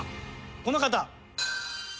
この方。